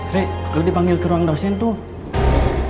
rek kalau dipanggil ke ruang dosen tuh